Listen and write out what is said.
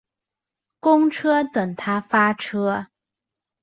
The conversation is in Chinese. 公车等他发车